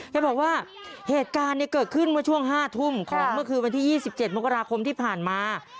แกบอกว่าเหตุการณ์เกิดขึ้นเมื่อช่วง๕ทุ่มของเมื่อคืนวันที่๒๗มกราคมที่ผ่านมา